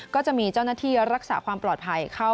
ก็จะมีเจ้าหน้าที่รักษาความปลอดภัยเข้า